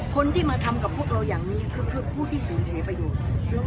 คนที่มาทำกับพวกเราอย่างนี้คือผู้ที่สูญเสียประโยชน์